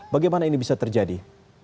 bagaimana ini bisa terjadi